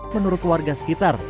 menurut warga sekitar